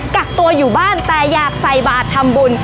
กักตัวอยู่บ้านแต่อยากใส่บาททำบุญ